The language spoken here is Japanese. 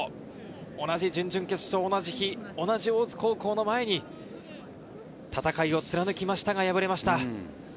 同じ準々決勝、同じ日、同じ大津高校の前に、戦いを貫きましたが敗れました。